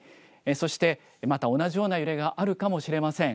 そして、また同じような揺れがあるかもしれません。